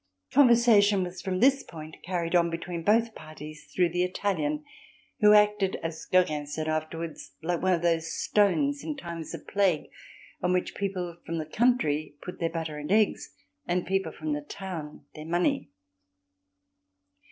Conversation was from this point carried on between both parties through the Italian who acted, as Gogin said afterwards, like one of those stones in times of plague on which people from the country put their butter and eggs and people from the town their money.